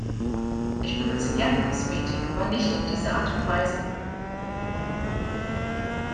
Ich benutze gerne Kosmetik, aber nicht auf diese Art und Weise.